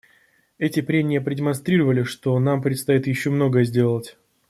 Эти прения продемонстрировали, что нам предстоит еще многое сделать.